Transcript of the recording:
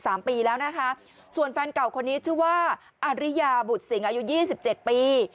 สามปีแล้วนะคะส่วนแฟนเก่าคนนี้ชื่อว่าอาริยาบุตรสิงอายุยี่สิบเจ็ดปี